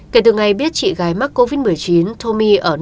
kể từ ngày biết chị gái mắc covid một mươi chín tommy ở đông